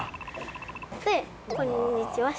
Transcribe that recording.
で「こんにちは」して。